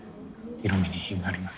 色みに品があります。